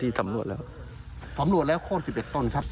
ตำรวจแล้วสำรวจแล้วโคตรสิบเอ็ดต้นครับ